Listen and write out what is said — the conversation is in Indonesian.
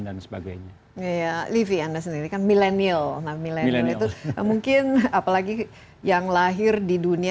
dan sebagainya iya livi anda sendiri kan milenial milenial itu mungkin apalagi yang lahir di dunia